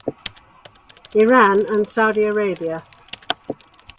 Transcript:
Iran and Saudi Arabia.